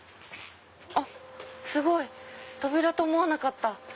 あっすごい扉と思わなかった。